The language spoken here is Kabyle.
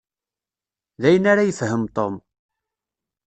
D ayen ara yefhem Tom.